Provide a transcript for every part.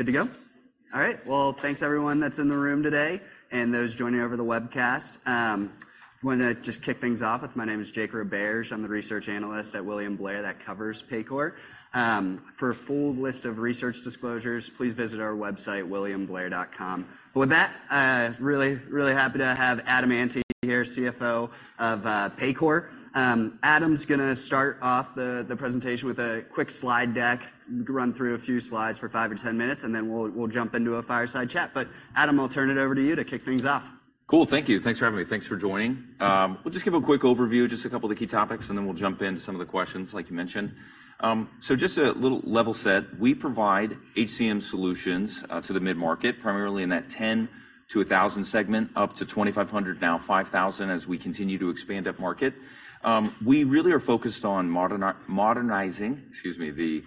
Good to go? All right. Well, thanks everyone that's in the room today and those joining over the webcast. I wanted to just kick things off with my name is Jake Roberge. I'm the Research Analyst at William Blair that covers Paycor. For a full list of research disclosures, please visit our website, williamblair.com. But with that, really, really happy to have Adam Ante here, CFO of Paycor. Adam's gonna start off the presentation with a quick slide deck, run through a few slides for five or 10 minutes, and then we'll jump into a fireside chat. But Adam, I'll turn it over to you to kick things off. Cool. Thank you. Thanks for having me. Thanks for joining. We'll just give a quick overview, just a couple of the key topics, and then we'll jump into some of the questions, like you mentioned. So just a little level set. We provide HCM solutions to the mid-market, primarily in that 10-1,000 segment, up to 2,500, now 5,000, as we continue to expand upmarket. We really are focused on modernizing, excuse me, the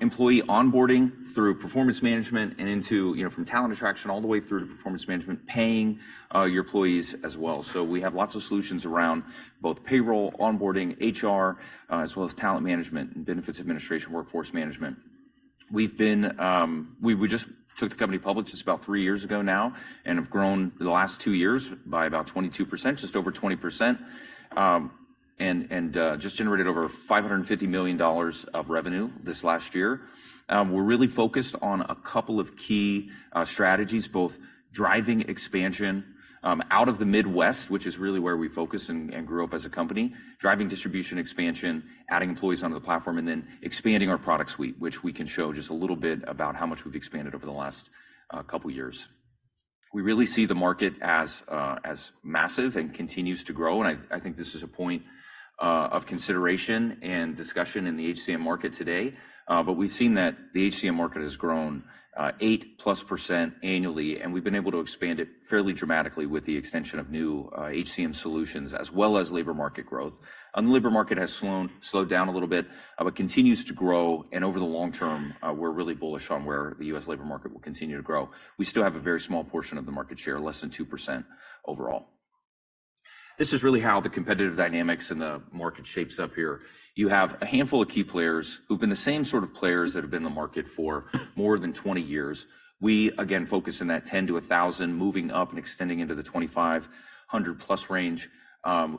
employee onboarding through performance management and into, you know, from talent attraction all the way through to performance management, paying your employees as well. So we have lots of solutions around both payroll, onboarding, HR, as well as talent management and benefits administration, workforce management. We've been... We just took the company public just about 3 years ago now, and have grown the last 2 years by about 22%, just over 20%. And just generated over $550 million of revenue this last year. We're really focused on a couple of key strategies, both driving expansion out of the Midwest, which is really where we focus and grew up as a company, driving distribution expansion, adding employees onto the platform, and then expanding our product suite, which we can show just a little bit about how much we've expanded over the last couple of years. We really see the market as massive and continues to grow, and I think this is a point of consideration and discussion in the HCM market today. But we've seen that the HCM market has grown 8%+ annually, and we've been able to expand it fairly dramatically with the extension of new HCM solutions, as well as labor market growth. The labor market has slowed down a little bit, but continues to grow, and over the long term, we're really bullish on where the US labor market will continue to grow. We still have a very small portion of the market share, less than 2% overall. This is really how the competitive dynamics in the market shapes up here. You have a handful of key players who've been the same sort of players that have been in the market for more than 20 years. We, again, focus in that 10 to 1,000, moving up and extending into the 2,500+ range.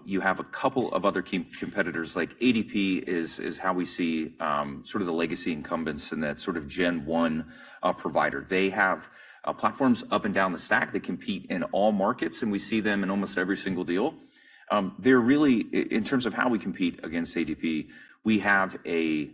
You have a couple of other key competitors, like ADP is how we see sort of the legacy incumbents in that sort of gen one provider. They have platforms up and down the stack. They compete in all markets, and we see them in almost every single deal. They're really in terms of how we compete against ADP, we have a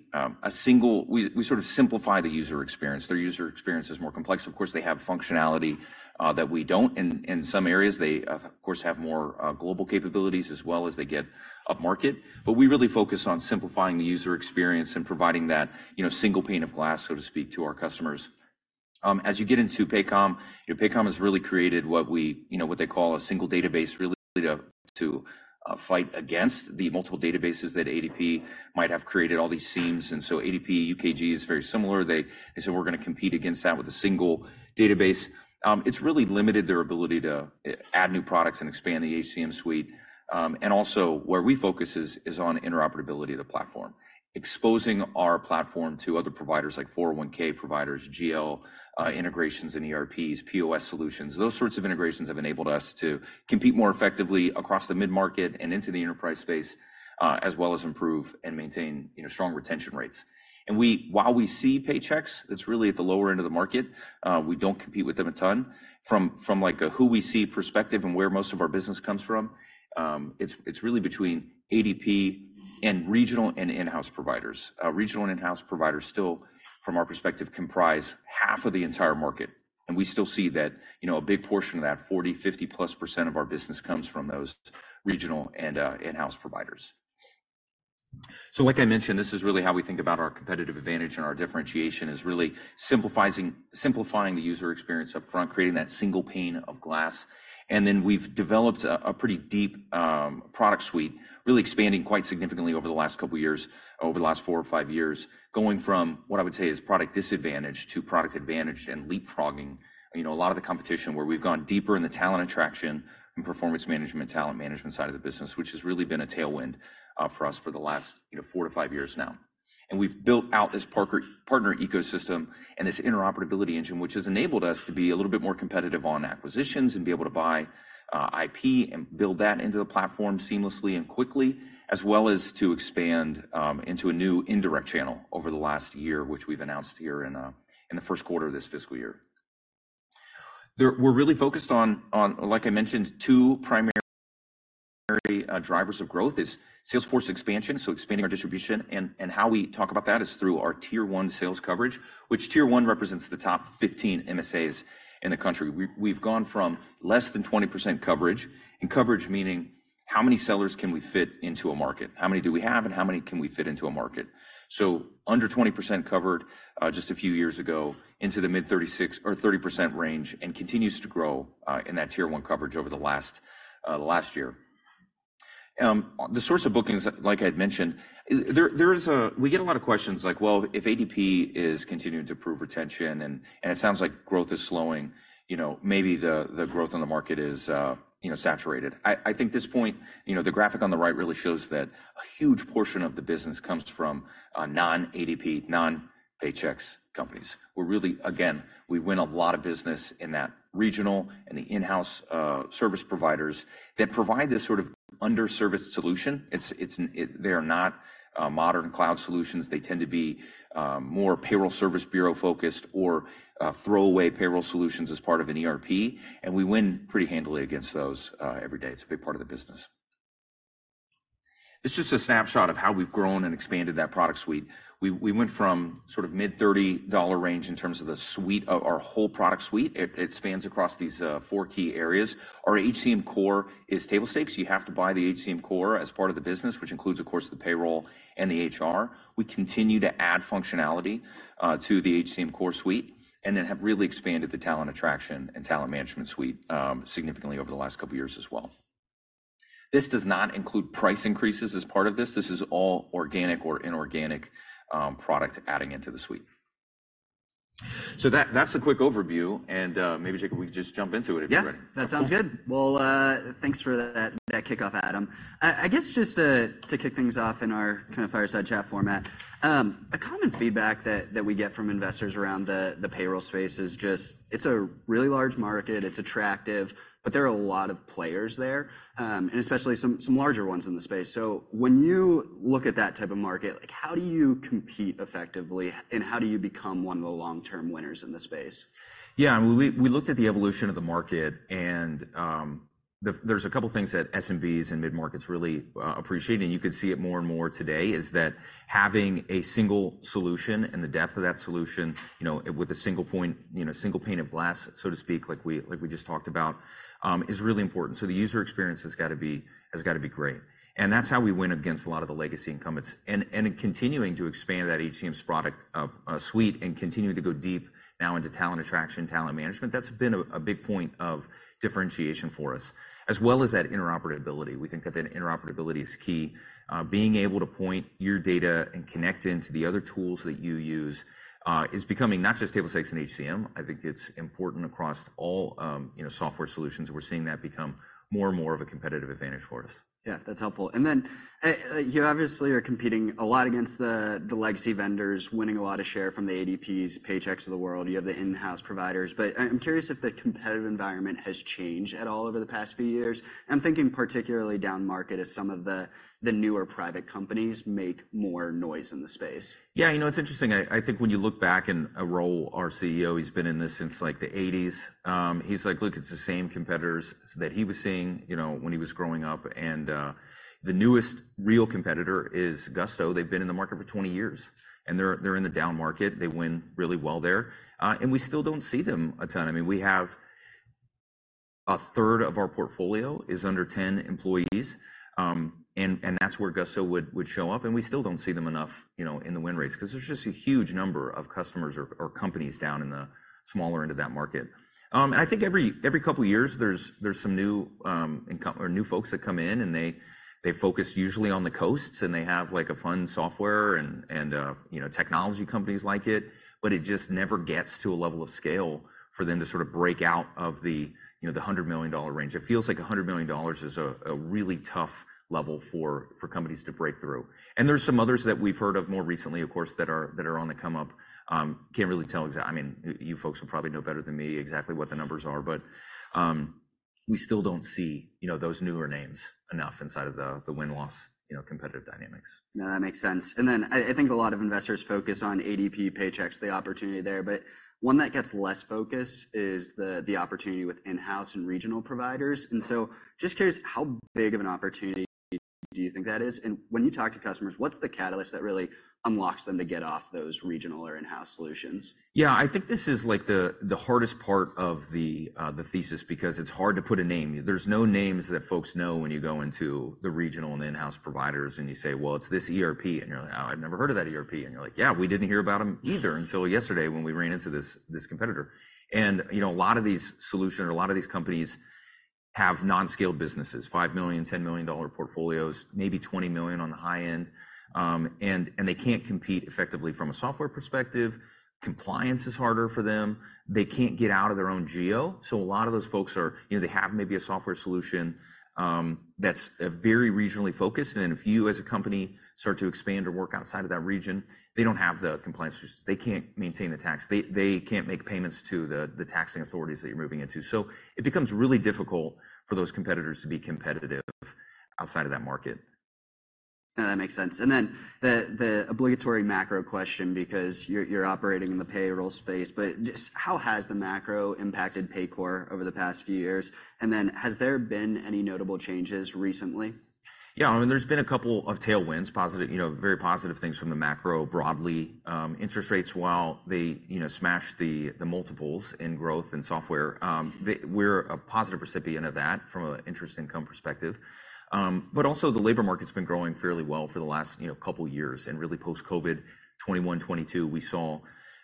single... We sort of simplify the user experience. Their user experience is more complex. Of course, they have functionality that we don't. In some areas, they of course have more global capabilities as well as they get upmarket. But we really focus on simplifying the user experience and providing that, you know, single pane of glass, so to speak, to our customers. As you get into Paycor, you know, Paycor has really created what they call a single database, really to fight against the multiple databases that ADP might have created, all these seams. ADP, UKG is very similar. They said, "We're going to compete against that with a single database." It's really limited their ability to add new products and expand the HCM suite. And also, where we focus is on interoperability of the platform, exposing our platform to other providers like 401(k) providers, GL integrations and ERPs, POS solutions. Those sorts of integrations have enabled us to compete more effectively across the mid-market and into the enterprise space, as well as improve and maintain, you know, strong retention rates. While we see Paychex, that's really at the lower end of the market, we don't compete with them a ton. From like a who we see perspective and where most of our business comes from, it's really between ADP and regional and in-house providers. Regional and in-house providers still, from our perspective, comprise half of the entire market, and we still see that, you know, a big portion of that 40-50%+ of our business comes from those regional and in-house providers. So like I mentioned, this is really how we think about our competitive advantage, and our differentiation is really simplifying the user experience upfront, creating that single pane of glass. And then we've developed a pretty deep product suite, really expanding quite significantly over the last couple of years, over the last 4 or 5 years, going from what I would say is product disadvantage to product advantage and leapfrogging, you know, a lot of the competition where we've gone deeper in the talent attraction and performance management, talent management side of the business, which has really been a tailwind for us for the last, you know, 4 to 5 years now. And we've built out this partner ecosystem and this interoperability engine, which has enabled us to be a little bit more competitive on acquisitions and be able to buy IP and build that into the platform seamlessly and quickly, as well as to expand into a new indirect channel over the last year, which we've announced here in the first quarter of this fiscal year. We're really focused on, like I mentioned, two primary drivers of growth is sales force expansion, so expanding our distribution, and how we talk about that is through our Tier 1 sales coverage, which Tier 1 represents the top 15 MSAs in the country. We've gone from less than 20% coverage, and coverage meaning how many sellers can we fit into a market? How many do we have, and how many can we fit into a market? So under 20% covered just a few years ago into the mid-30s or 30% range and continues to grow in that Tier 1 coverage over the last year. The source of bookings, like I'd mentioned, we get a lot of questions like, "Well, if ADP is continuing to prove retention, and it sounds like growth is slowing, you know, maybe the growth in the market is, you know, saturated." I think this point, you know, the graphic on the right really shows that a huge portion of the business comes from non-ADP, non-Paychex companies. We're really, again, we win a lot of business in that regional and the in-house service providers that provide this sort of underserviced solution. It's they are not modern cloud solutions. They tend to be more payroll service bureau-focused or throwaway payroll solutions as part of an ERP, and we win pretty handily against those every day. It's a big part of the business. This is just a snapshot of how we've grown and expanded that product suite. We went from sort of mid-$30 range in terms of the suite of our whole product suite. It spans across these four key areas. Our HCM Core is table stakes. You have to buy the HCM Core as part of the business, which includes, of course, the payroll and the HR. We continue to add functionality to the HCM Core suite and then have really expanded the talent attraction and talent management suite significantly over the last couple of years as well. This does not include price increases as part of this. This is all organic or inorganic product adding into the suite. So that's a quick overview, and maybe, Jake, we can just jump into it if you're ready. Yeah, that sounds good. Well, thanks for that kickoff, Adam. I guess just to kick things off in our kind of fireside chat format, a common feedback that we get from investors around the payroll space is just it's a really large market, it's attractive, but there are a lot of players there, and especially some larger ones in the space. So when you look at that type of market, like, how do you compete effectively, and how do you become one of the long-term winners in the space? Yeah, and we looked at the evolution of the market, and there's a couple things that SMBs and mid-markets really appreciate, and you could see it more and more today, is that having a single solution and the depth of that solution, you know, with a single point, you know, single pane of glass, so to speak, like we just talked about, is really important. So the user experience has got to be great, and that's how we win against a lot of the legacy incumbents. And in continuing to expand that HCM's product suite and continuing to go deep now into talent attraction, talent management, that's been a big point of differentiation for us, as well as that interoperability. We think that the interoperability is key. Being able to point your data and connect into the other tools that you use is becoming not just table stakes in HCM. I think it's important across all, you know, software solutions, and we're seeing that become more and more of a competitive advantage for us. Yeah, that's helpful. And then, you obviously are competing a lot against the legacy vendors, winning a lot of share from the ADPs, Paychex of the world. You have the in-house providers, but I'm curious if the competitive environment has changed at all over the past few years. I'm thinking particularly down market as some of the newer private companies make more noise in the space. Yeah, you know, it's interesting. I think when you look back, and Raul, our CEO, he's been in this since, like, the eighties. He's like: "Look, it's the same competitors," so that he was seeing, you know, when he was growing up, and the newest real competitor is Gusto. They've been in the market for 20 years, and they're in the down market. They win really well there, and we still don't see them a ton. I mean, we have a third of our portfolio is under 10 employees, and that's where Gusto would show up, and we still don't see them enough, you know, in the win rates because there's just a huge number of customers or companies down in the smaller end of that market. And I think every couple of years, there's some new folks that come in, and they focus usually on the coasts, and they have, like, a fun software and, you know, technology companies like it, but it just never gets to a level of scale for them to sort of break out of, you know, the $100 million range. It feels like $100 million is a really tough level for companies to break through. And there are some others that we've heard of more recently, of course, that are on the come up. Can't really tell exact... I mean, you folks will probably know better than me exactly what the numbers are, but, we still don't see, you know, those newer names enough inside of the win-loss, you know, competitive dynamics. No, that makes sense. And then I, I think a lot of investors focus on ADP, Paychex, the opportunity there, but one that gets less focus is the, the opportunity with in-house and regional providers. And so just curious, how big of an opportunity do you think that is? And when you talk to customers, what's the catalyst that really unlocks them to get off those regional or in-house solutions? Yeah, I think this is, like, the hardest part of the thesis because it's hard to put a name. There's no names that folks know when you go into the regional and the in-house providers, and you say: "Well, it's this ERP." And you're like: "Oh, I've never heard of that ERP." And you're like: "Yeah, we didn't hear about them either until yesterday when we ran into this, this competitor." And, you know, a lot of these solution or a lot of these companies have non-scaled businesses, $5 million, $10 million portfolios, maybe $20 million on the high end. And they can't compete effectively from a software perspective. Compliance is harder for them. They can't get out of their own geo. So a lot of those folks are... You know, they have maybe a software solution that's very regionally focused, and if you, as a company, start to expand or work outside of that region, they don't have the compliance systems. They can't maintain the tax. They can't make payments to the taxing authorities that you're moving into. So it becomes really difficult for those competitors to be competitive outside of that market. That makes sense. And then the obligatory macro question, because you're operating in the payroll space, but just how has the macro impacted Paycor over the past few years? And then, has there been any notable changes recently? Yeah, I mean, there's been a couple of tailwinds, positive, you know, very positive things from the macro, broadly. Interest rates, while they, you know, smash the multiples in growth and software, we're a positive recipient of that from an interest income perspective. But also, the labor market's been growing fairly well for the last, you know, couple of years. And really, post-COVID, 2021, 2022, we saw,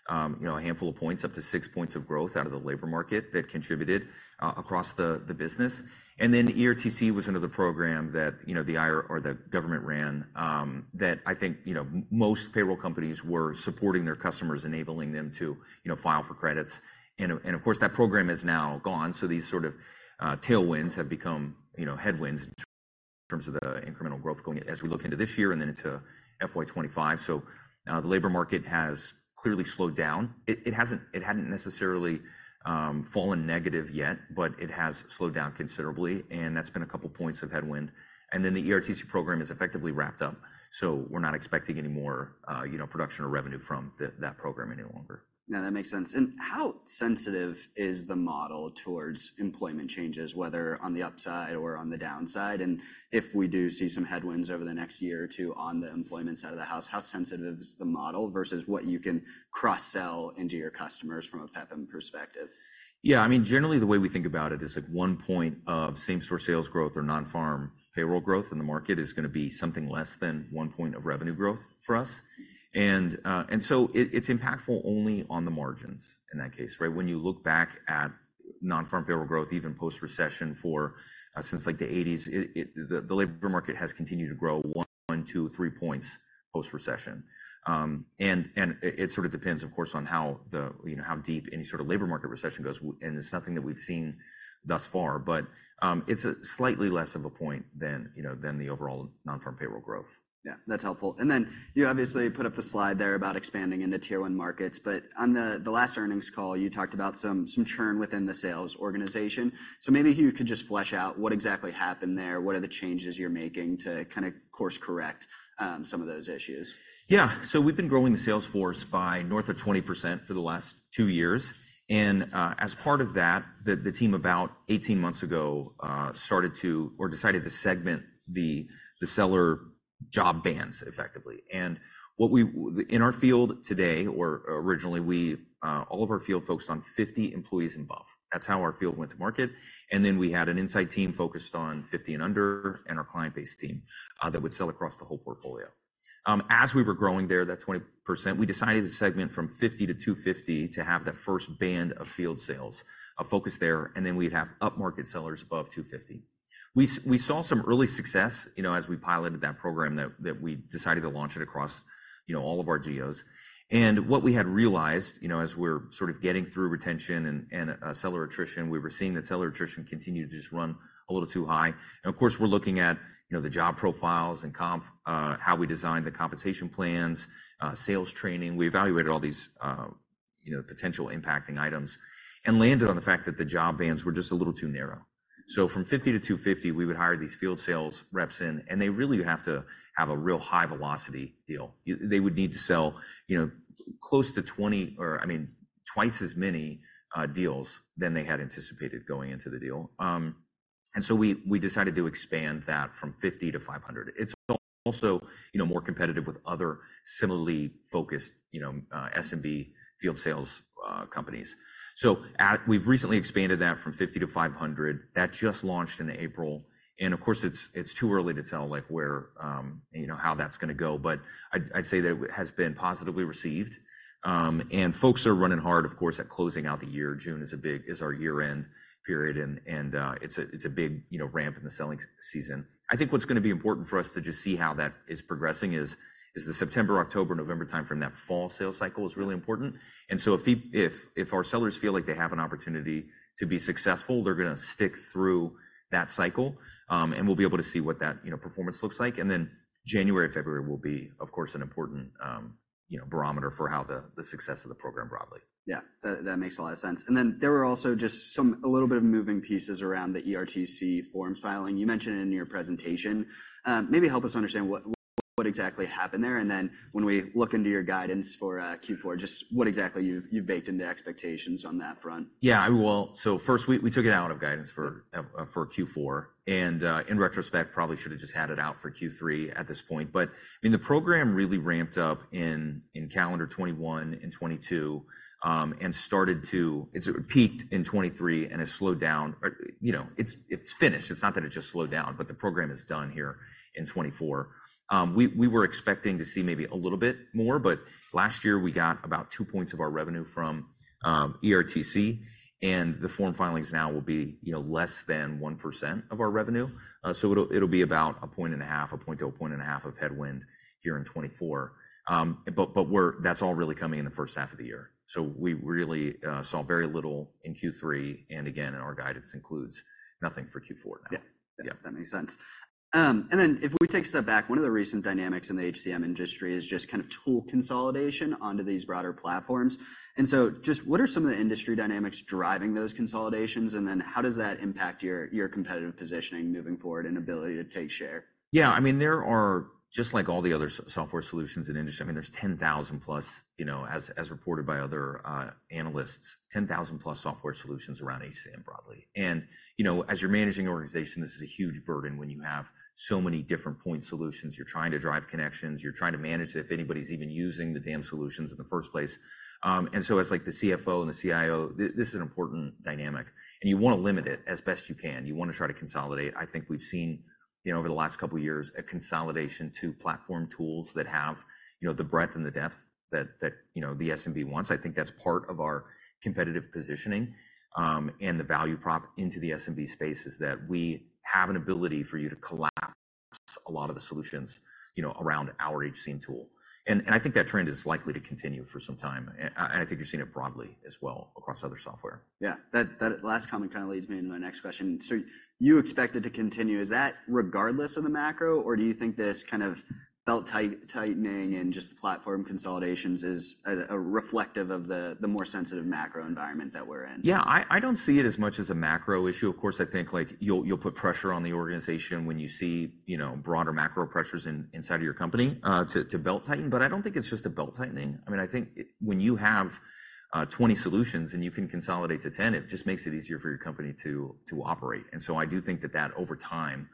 you know, a handful of points, up to 6 points of growth out of the labor market that contributed across the business. And then ERTC was another program that, you know, the IRS or the government ran, that I think, you know, most payroll companies were supporting their customers, enabling them to, you know, file for credits. And of course, that program is now gone, so these sort of tailwinds have become, you know, headwinds in terms of the incremental growth going as we look into this year and then into FY 25. So, the labor market has clearly slowed down. It hasn't, it hadn't necessarily fallen negative yet, but it has slowed down considerably, and that's been a couple points of headwind. And then the ERTC program is effectively wrapped up, so we're not expecting any more, you know, production or revenue from that program any longer. Yeah, that makes sense. And how sensitive is the model towards employment changes, whether on the upside or on the downside? And if we do see some headwinds over the next year or two on the employment side of the house, how sensitive is the model versus what you can cross-sell into your customers from a PEPM perspective? Yeah, I mean, generally, the way we think about it is, like 1 point of same-store sales growth or non-farm payroll growth in the market is gonna be something less than 1 point of revenue growth for us. And, and so it, it's impactful only on the margins in that case, right? When you look back at non-farm payroll growth, even post-recession for, since, like, the 1980s, it. The labor market has continued to grow 1-3 points post-recession. And, it sort of depends, of course, on how the, you know, how deep any sort of labor market recession goes, and it's nothing that we've seen thus far. But, it's a slightly less of a point than, you know, than the overall non-farm payroll growth. Yeah, that's helpful. And then you obviously put up the slide there about expanding into Tier 1 markets, but on the last earnings call, you talked about some churn within the sales organization. So maybe you could just flesh out what exactly happened there. What are the changes you're making to kind of course-correct some of those issues? Yeah. So we've been growing the sales force by north of 20% for the last 2 years, and, as part of that, the team, about 18 months ago, started to or decided to segment the seller job bands effectively. In our field today, or originally, we, all of our field focused on 50 employees and above. That's how our field went to market, and then we had an inside team focused on 50 and under, and our client-based team that would sell across the whole portfolio. As we were growing there, that 20%, we decided to segment from 50-250 to have that first band of field sales, a focus there, and then we'd have upmarket sellers above 250. We saw some early success, you know, as we piloted that program that we decided to launch it across, you know, all of our geos. And what we had realized, you know, as we're sort of getting through retention and seller attrition, we were seeing that seller attrition continue to just run a little too high. And of course, we're looking at, you know, the job profiles and comp, how we designed the compensation plans, sales training. We evaluated all these, you know, potential impacting items and landed on the fact that the job bands were just a little too narrow. So from 50 to 250, we would hire these field sales reps in, and they really have to have a real high-velocity deal. They would need to sell, you know, close to 20 or, I mean, twice as many deals than they had anticipated going into the deal. And so we decided to expand that from 50 to 500. It's also, you know, more competitive with other similarly focused, you know, SMB field sales companies. So we've recently expanded that from 50 to 500. That just launched in April, and of course, it's too early to tell, like, where, you know, how that's gonna go, but I'd say that it has been positively received. And folks are running hard, of course, at closing out the year. June is a big, is our year-end period, and it's a big, you know, ramp in the selling season. I think what's gonna be important for us to just see how that is progressing is the September, October, November timeframe. That fall sales cycle is really important. And so if our sellers feel like they have an opportunity to be successful, they're gonna stick through that cycle, and we'll be able to see what that, you know, performance looks like. And then January, February will be, of course, an important, you know, barometer for how the success of the program broadly. Yeah, that, that makes a lot of sense. And then there were also just some, a little bit of moving pieces around the ERTC forms filing. You mentioned it in your presentation. Maybe help us understand what, what exactly happened there, and then when we look into your guidance for Q4, just what exactly you've, you've baked into expectations on that front. Yeah, well, so first, we took it out of guidance for Q4, and in retrospect, probably should have just had it out for Q3 at this point. But, I mean, the program really ramped up in calendar 2021 and 2022, and started to... It peaked in 2023 and has slowed down. You know, it's finished. It's not that it just slowed down, but the program is done here in 2024. We were expecting to see maybe a little bit more, but last year we got about 2 points of our revenue from ERTC, and the form filings now will be, you know, less than 1% of our revenue. So it'll be about 1.5 points, 1-1.5 points of headwind here in 2024. But that's all really coming in the first half of the year. So we really saw very little in Q3, and again, in our guidance includes nothing for Q4 now. That makes sense. And then if we take a step back, one of the recent dynamics in the HCM industry is just kind of tool consolidation onto these broader platforms. And so just what are some of the industry dynamics driving those consolidations, and then how does that impact your, your competitive positioning moving forward and ability to take share? Yeah, I mean, there are, just like all the other software solutions in the industry, I mean, there's 10,000+, you know, as reported by other analysts, 10,000+ software solutions around HCM broadly. And, you know, as you're managing an organization, this is a huge burden when you have so many different point solutions. You're trying to drive connections, you're trying to manage if anybody's even using the damn solutions in the first place. And so as like the CFO and the CIO, this is an important dynamic, and you want to limit it as best you can. You want to try to consolidate. I think we've seen, you know, over the last couple of years, a consolidation to platform tools that have, you know, the breadth and the depth that, you know, the SMB wants. I think that's part of our competitive positioning, and the value prop into the SMB space is that we have an ability for you to collapse a lot of the solutions, you know, around our HCM tool. And I think that trend is likely to continue for some time, and I think you're seeing it broadly as well across other software. Yeah. That last comment kind of leads me into my next question. So you expect it to continue. Is that regardless of the macro, or do you think this kind of belt-tightening and just platform consolidations is reflective of the more sensitive macro environment that we're in? Yeah, I don't see it as much as a macro issue. Of course, I think, like, you'll put pressure on the organization when you see, you know, broader macro pressures inside of your company, to belt-tighten, but I don't think it's just a belt tightening. I mean, I think it—when you have 20 solutions and you can consolidate to 10, it just makes it easier for your company to operate. And so I do think that that over time,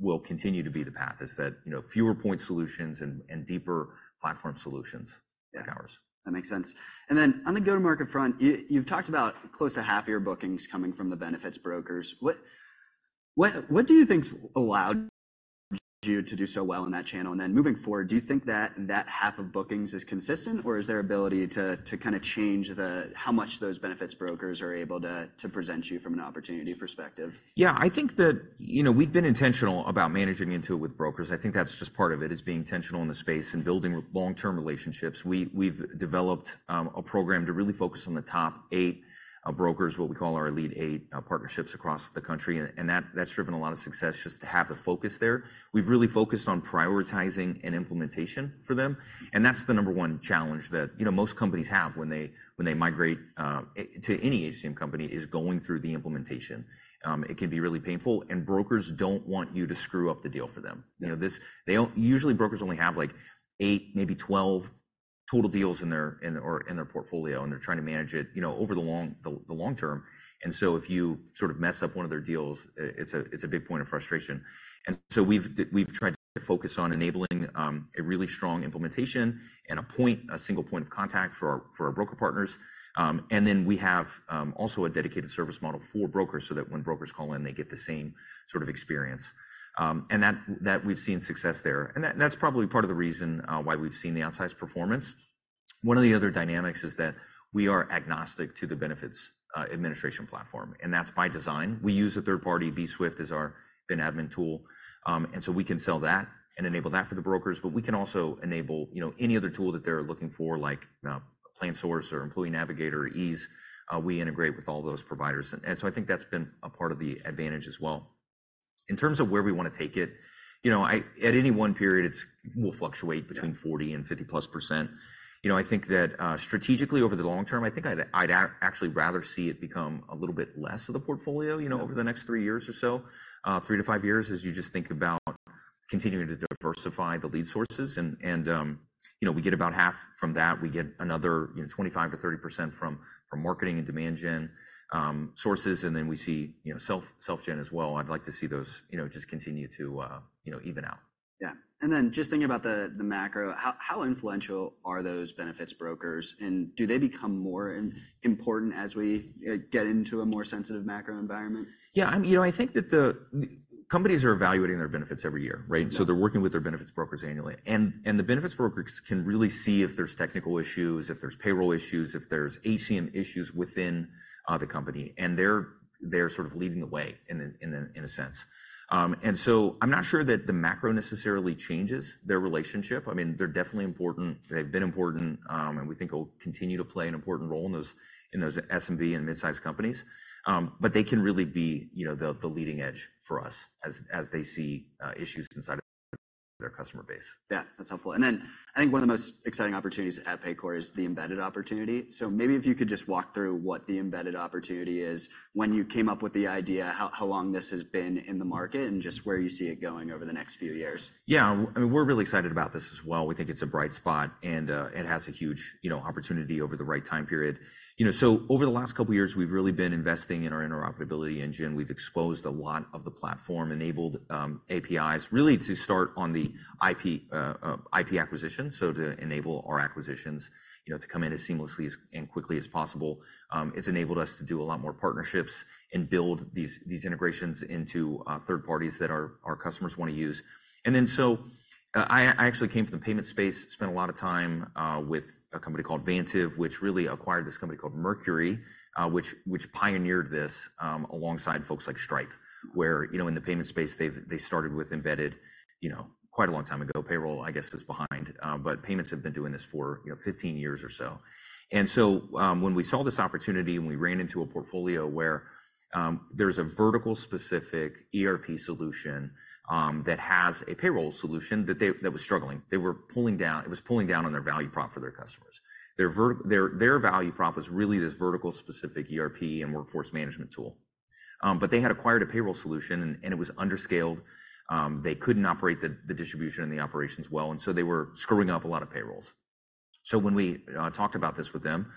will continue to be the path, is that, you know, fewer point solutions and deeper platform solutions and powers. That makes sense. And then on the go-to-market front, you, you've talked about close to half of your bookings coming from the benefits brokers. What do you think's allowed you to do so well in that channel? And then moving forward, do you think that that half of bookings is consistent, or is there ability to kind of change the... how much those benefits brokers are able to present you from an opportunity perspective? Yeah, I think that, you know, we've been intentional about managing into it with brokers. I think that's just part of it, is being intentional in the space and building long-term relationships. We've developed a program to really focus on the top eight brokers, what we call our Elite 8 partnerships across the country, and that that's driven a lot of success, just to have the focus there. We've really focused on prioritizing and implementation for them, and that's the number one challenge that, you know, most companies have when they, when they migrate to any HCM company, is going through the implementation. It can be really painful, and brokers don't want you to screw up the deal for them. You know, usually, brokers only have, like, 8, maybe 12 total deals in their portfolio, and they're trying to manage it, you know, over the long term. And so if you sort of mess up one of their deals, it's a big point of frustration. And so we've tried to focus on enabling a really strong implementation and a single point of contact for our broker partners. And then we have also a dedicated service model for brokers so that when brokers call in, they get the same sort of experience. And that we've seen success there, and that's probably part of the reason why we've seen the outsized performance. One of the other dynamics is that we are agnostic to the benefits administration platform, and that's by design. We use a third party, bswift, as our benefits admin tool. And so we can sell that and enable that for the brokers, but we can also enable, you know, any other tool that they're looking for, like PlanSource or Employee Navigator or Ease. We integrate with all those providers, and so I think that's been a part of the advantage as well. In terms of where we want to take it, you know, at any one period, it will fluctuate between 40% and 50%+. You know, I think that, strategically, over the long term, I think I'd, I'd actually rather see it become a little bit less of the portfolio, you know- Over the next three years or so, three to five years, as you just think about continuing to diversify the lead sources. And, you know, we get about half from that. We get another, you know, 25%-30% from marketing and demand gen sources, and then we see, you know, self-gen as well. I'd like to see those, you know, just continue to even out. Yeah. And then just thinking about the macro, how influential are those benefits brokers, and do they become more important as we get into a more sensitive macro environment? Yeah, you know, I think that the companies are evaluating their benefits every year, right? So they're working with their benefits brokers annually, and the benefits brokers can really see if there's technical issues, if there's payroll issues, if there's HCM issues within the company, and they're sort of leading the way in a sense. And so I'm not sure that the macro necessarily changes their relationship. I mean, they're definitely important. They've been important, and we think will continue to play an important role in those SMB and mid-sized companies. But they can really be, you know, the leading edge for us as they see issues inside of their customer base. Yeah, that's helpful. And then I think one of the most exciting opportunities at Paycor is the embedded opportunity. So maybe if you could just walk through what the embedded opportunity is, when you came up with the idea, how long this has been in the market, and just where you see it going over the next few years. Yeah, I mean, we're really excited about this as well. We think it's a bright spot, and it has a huge, you know, opportunity over the right time period. You know, so over the last couple of years, we've really been investing in our interoperability engine. We've exposed a lot of the platform, enabled APIs, really to start on the IP, IP acquisition, so to enable our acquisitions, you know, to come in as seamlessly as and quickly as possible. It's enabled us to do a lot more partnerships and build these integrations into third parties that our customers want to use. I actually came from the payment space, spent a lot of time with a company called Vantiv, which really acquired this company called Mercury, which pioneered this alongside folks like Stripe, where, you know, in the payment space, they started with embedded, you know, quite a long time ago. Payroll, I guess, is behind, but payments have been doing this for, you know, 15 years or so. When we saw this opportunity, and we ran into a portfolio where there's a vertical-specific ERP solution that has a payroll solution that was struggling. It was pulling down on their value prop for their customers. Their value prop was really this vertical-specific ERP and workforce management tool. But they had acquired a payroll solution, and it was under-scaled. They couldn't operate the distribution and the operations well, and so they were screwing up a lot of payrolls. So when we talked about this with them,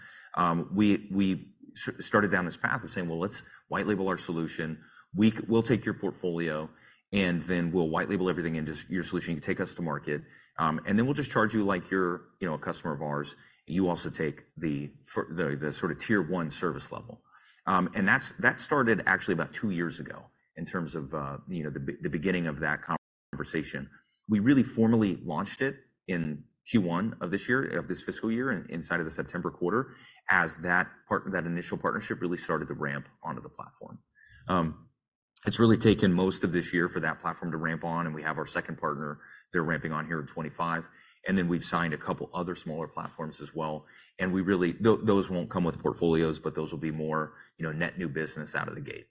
we started down this path of saying: Well, let's white label our solution. We'll take your portfolio, and then we'll white label everything into your solution. You take us to market, and then we'll just charge you like you're, you know, a customer of ours, and you also take the the sort of Tier 1 service level. And that's that started actually about two years ago in terms of, you know, the the beginning of that conversation. We really formally launched it in Q1 of this year, of this fiscal year, inside of the September quarter, as that initial partnership really started to ramp onto the platform. It's really taken most of this year for that platform to ramp on, and we have our second partner, they're ramping on here in 2025. And then we've signed a couple other smaller platforms as well, and we really, those won't come with portfolios, but those will be more, you know, net new business out of the gate.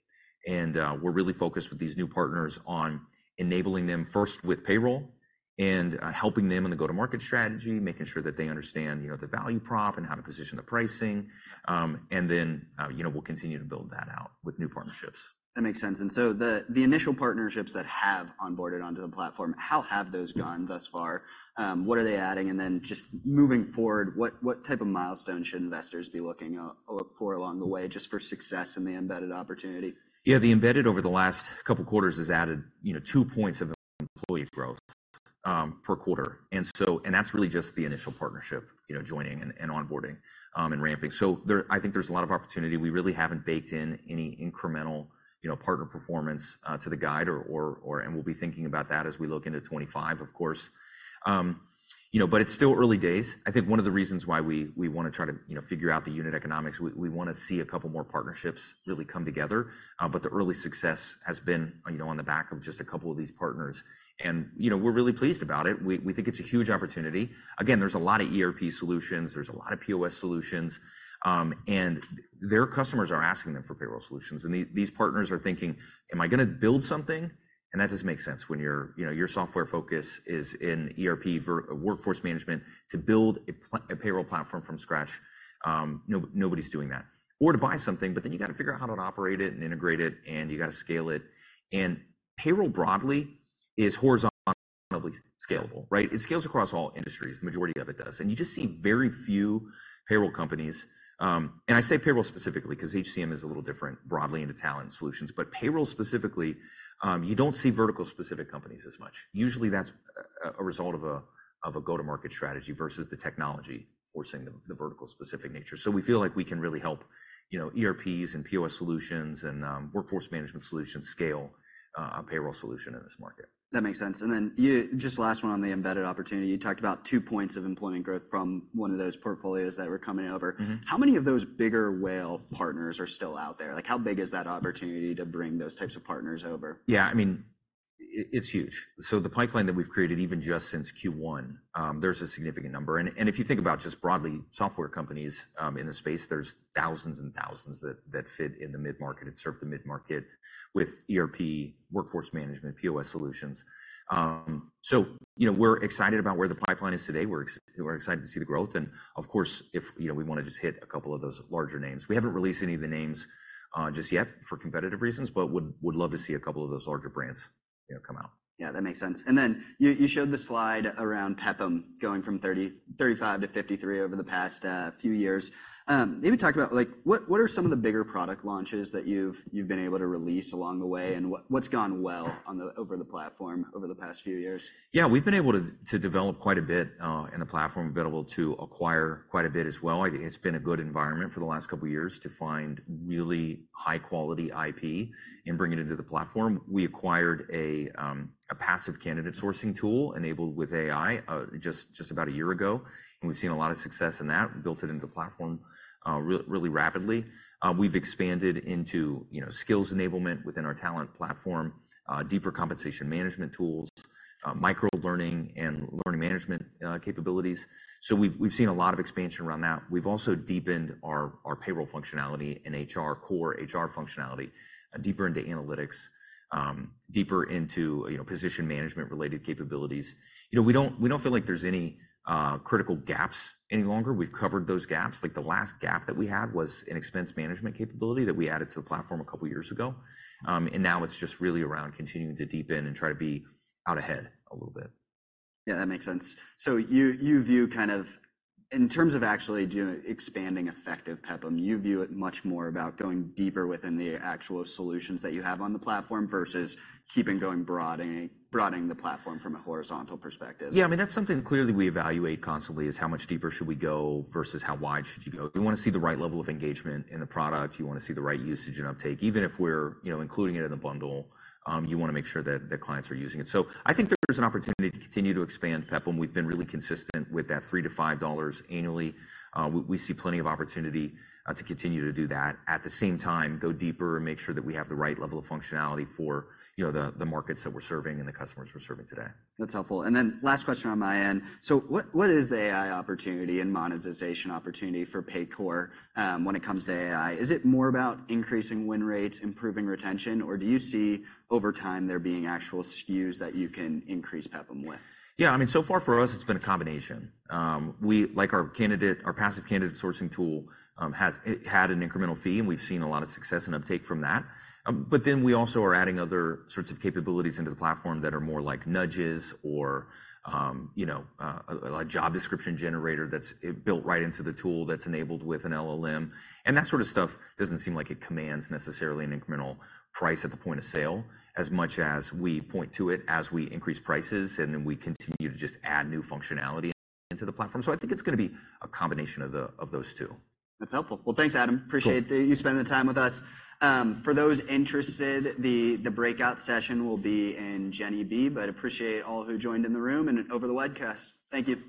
And we're really focused with these new partners on enabling them first with payroll and helping them in the go-to-market strategy, making sure that they understand, you know, the value prop and how to position the pricing. And then, you know, we'll continue to build that out with new partnerships. That makes sense. And so the initial partnerships that have onboarded onto the platform, how have those gone thus far? What are they adding? And then just moving forward, what type of milestone should investors be looking, look for along the way, just for success in the embedded opportunity? Yeah, the embedded over the last couple quarters has added, you know, 2 points of employee growth per quarter. And that's really just the initial partnership, you know, joining and onboarding and ramping. So I think there's a lot of opportunity. We really haven't baked in any incremental, you know, partner performance to the guide, or and we'll be thinking about that as we look into 2025, of course. You know, but it's still early days. I think one of the reasons why we want to try to, you know, figure out the unit economics, we want to see a couple more partnerships really come together. But the early success has been, you know, on the back of just a couple of these partners. And, you know, we're really pleased about it. We think it's a huge opportunity. Again, there's a lot of ERP solutions, there's a lot of POS solutions, and their customers are asking them for payroll solutions. These partners are thinking, "Am I going to build something?" And that doesn't make sense when your, you know, your software focus is in ERP versus workforce management, to build a payroll platform from scratch. Nobody's doing that. Or to buy something, but then you got to figure out how to operate it and integrate it, and you got to scale it. Payroll broadly is horizontally scalable, right? It scales across all industries, the majority of it does. You just see very few payroll companies, and I say payroll specifically, 'cause HCM is a little different broadly into talent solutions. But payroll specifically, you don't see vertical-specific companies as much. Usually that's a result of a go-to-market strategy versus the technology forcing the vertical-specific nature. So we feel like we can really help, you know, ERPs and POS solutions and workforce management solutions scale a payroll solution in this market. That makes sense. And then you, just last one on the embedded opportunity. You talked about two points of employment growth from one of those portfolios that were coming over. How many of those bigger whale partners are still out there? Like, how big is that opportunity to bring those types of partners over? Yeah, I mean, it's huge. So the pipeline that we've created, even just since Q1, there's a significant number. And if you think about just broadly, software companies, in the space, there's thousands and thousands that fit in the mid-market and serve the mid-market with ERP, workforce management, POS solutions. So, you know, we're excited about where the pipeline is today. We're excited to see the growth and, of course, if, you know, we want to just hit a couple of those larger names. We haven't released any of the names, just yet for competitive reasons, but would love to see a couple of those larger brands, you know, come out. Yeah, that makes sense. And then you, you showed the slide around PEPM going from $30-$35 to $53 over the past few years. Maybe talk about, like, what, what are some of the bigger product launches that you've, you've been able to release along the way, and what, what's gone well on the... over the platform over the past few years? Yeah, we've been able to develop quite a bit in the platform. We've been able to acquire quite a bit as well. I think it's been a good environment for the last couple of years to find really high-quality IP and bring it into the platform. We acquired a passive candidate sourcing tool enabled with AI just about a year ago, and we've seen a lot of success in that, built it into the platform really rapidly. We've expanded into, you know, skills enablement within our talent platform, deeper compensation management tools, microlearning and learning management capabilities. So we've seen a lot of expansion around that. We've also deepened our payroll functionality and HR core, HR functionality, deeper into analytics, deeper into, you know, position management-related capabilities. You know, we don't, we don't feel like there's any critical gaps any longer. We've covered those gaps. Like, the last gap that we had was an expense management capability that we added to the platform a couple years ago. And now it's just really around continuing to deepen and try to be out ahead a little bit. Yeah, that makes sense. So you view kind of... In terms of actually doing, expanding effective PEPM, you view it much more about going deeper within the actual solutions that you have on the platform, versus keeping going, broadening the platform from a horizontal perspective. Yeah, I mean, that's something clearly we evaluate constantly, is how much deeper should we go versus how wide should you go? You want to see the right level of engagement in the product. You want to see the right usage and uptake. Even if we're, you know, including it in the bundle, you want to make sure that the clients are using it. So I think there is an opportunity to continue to expand PEPM. We've been really consistent with that $3-$5 annually. We see plenty of opportunity to continue to do that. At the same time, go deeper and make sure that we have the right level of functionality for, you know, the, the markets that we're serving and the customers we're serving today. That's helpful. Then last question on my end: so what, what is the AI opportunity and monetization opportunity for Paycor, when it comes to AI? Is it more about increasing win rates, improving retention, or do you see over time there being actual SKUs that you can increase PEPM with? Yeah, I mean, so far for us, it's been a combination. We like our candidate, our passive candidate sourcing tool, it had an incremental fee, and we've seen a lot of success and uptake from that. But then we also are adding other sorts of capabilities into the platform that are more like nudges or, you know, a job description generator that's built right into the tool, that's enabled with an LLM. And that sort of stuff doesn't seem like it commands necessarily an incremental price at the point of sale, as much as we point to it as we increase prices, and then we continue to just add new functionality into the platform. So I think it's going to be a combination of those two. That's helpful. Well, thanks, Adam. Cool. Appreciate you spending the time with us. For those interested, the breakout session will be in Jenner B, but appreciate all who joined in the room and over the webcast. Thank you.